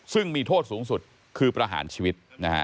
ซึ่งมีโทษสูงสุดคือประหารชีวิตนะฮะ